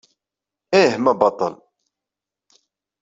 Ih, ma baṭel.